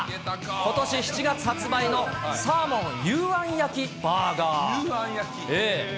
ことし７月発売のサーモン幽庵焼きバーガー。